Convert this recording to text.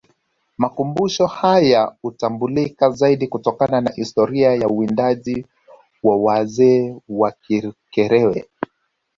Makumbusho hayahutambulika zaidi kutokana na historia ya uwindaji wa wazee wa Kikerewe